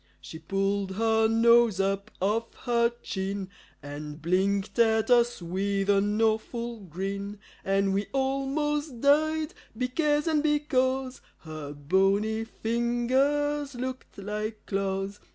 She pulled her nose up off her chin And blinked at us with an awful grin. And we almost died, becaze and because Her bony fingers looked like claws.